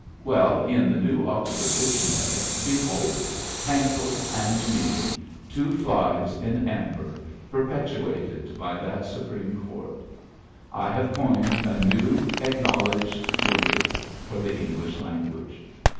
Well, in the new Oxford dictionary, behold Tankle and me, two flies in amber, perpetuated by that Supreme Court; I have coined a new ac knowledged word for the English language.